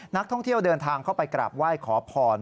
นักท่องเที่ยวเดินทางเข้าไปกราบไหว้ขอพร